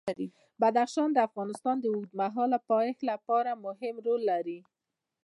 بدخشان د افغانستان د اوږدمهاله پایښت لپاره مهم رول لري.